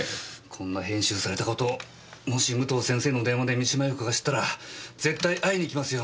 こんな編集された事をもし武藤先生の電話で三島陽子が知ったら絶対会いに行きますよ